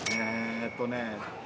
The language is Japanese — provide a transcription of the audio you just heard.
えーとね。